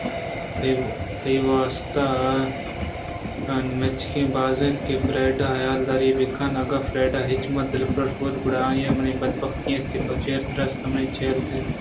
تئی واستہ ہمنچک باز اِنت کہ فریڈا ءِ حیالداری ءَ بہ کن ءُاگاں فریڈا اچ منا دلپرٛوش بوت گڑا آ منی بد بحتی اِنت تو چیاترسے تو من ءَ پہ چیاتلوسے